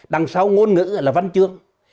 đằng sau ngôn ngữ là văn chương